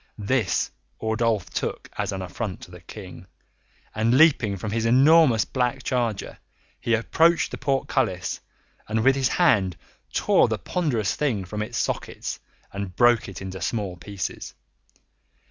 This Ordulph took as an affront to the King, and, leaping from his enormous black charger, he approached the portcullis and with his hand tore the ponderous thing from its sockets and broke it into small pieces.